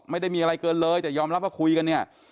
ไม่ได้มีอะไรเกินเลยแต่ยอมรับว่าคุยกันเนี่ย